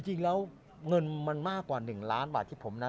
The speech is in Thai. จริงแล้วเงินมันมากกว่า๑ล้านบาทที่ผมนะ